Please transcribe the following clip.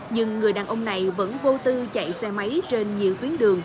nhưng người đàn ông này vẫn vô tư chạy xe máy trên nhiều tuyến đường